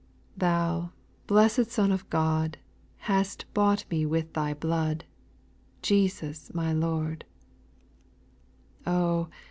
Thou, blessed Son of God, Hast bought me with Thy blood, Jesus my Lord I Oh